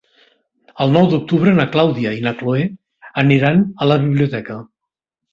El nou d'octubre na Clàudia i na Cloè aniran a la biblioteca.